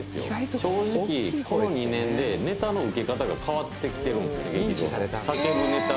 正直この２年でネタのウケ方が変わってきてるんで劇場の。